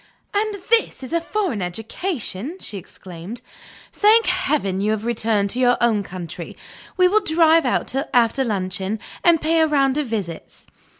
"And this is a foreign education!" she exclaimed. "Thank Heaven, you have returned to your own country! We will drive out after luncheon, and pay a round of visits."